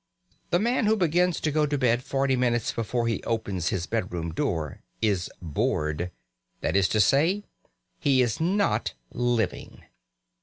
The man who begins to go to bed forty minutes before he opens his bedroom door is bored; that is to say, he is not living.